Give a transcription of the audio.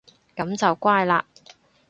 噉就乖嘞